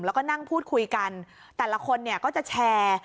แล้วก็นั่งพูดคุยกันแต่ละคนเนี่ยก็จะแชร์